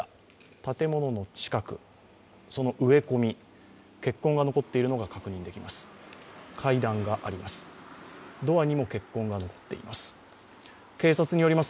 建物の近く、その植え込み、血痕が残っているのが確認できます。